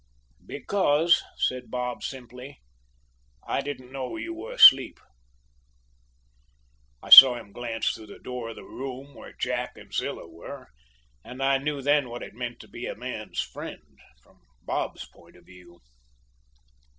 "'Because,' said Bob, simply, 'I didn't know you were asleep.' "I saw him glance toward the door of the room where Jack and Zilla were, and I knew then what it meant to be a man's friend from Bob's point of view."